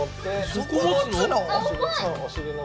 そこ持つの？